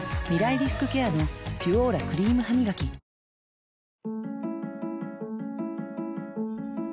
リスクケアの「ピュオーラ」クリームハミガキ脂肪対策続かない